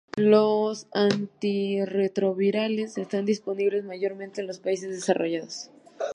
Los antirretrovirales están disponibles mayormente en los países desarrollados.